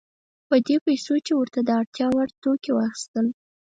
په دې پیسو یې ورته د اړتیا وړ توکي واخیستل.